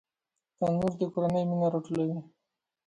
تنور د کورنۍ مینه راټولوي